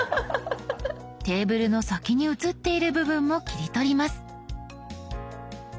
テーブルの先に写っている部分も切り取ります。